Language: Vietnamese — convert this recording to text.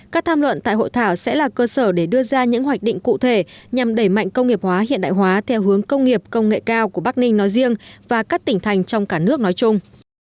các tham luận tại hội thảo sẽ là cơ sở để đưa ra những hoạch định cụ thể nhằm đẩy mạnh công nghiệp hóa hiện đại hóa theo hướng công nghiệp công nghệ cao của bắc ninh nói riêng và các tỉnh thành trong cả nước nói chung